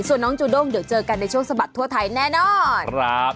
ส่วนน้องจูด้งเดี๋ยวเจอกันในช่วงสะบัดทั่วไทยแน่นอนครับ